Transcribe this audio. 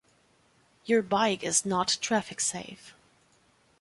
Your bike is not traffic safe.